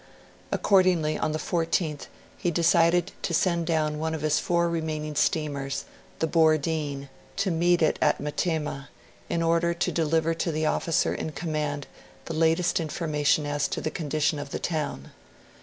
Accordingly, on the 14th, he decided to send down one of his four remaining steamers, the Bordeen, to meet it at Metemmah, in order to deliver to the officer in command the latest information as to the condition of the town.